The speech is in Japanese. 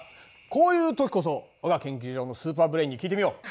こういうときこそわが研究所のスーパーブレーンに聞いてみよう。